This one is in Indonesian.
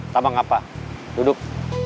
tak mengapa duduk